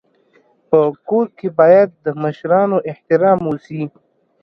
په کور کي باید د مشرانو احترام وسي.